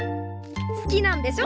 好きなんでしょ？